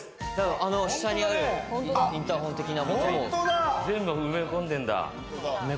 下にあるインターホン的な。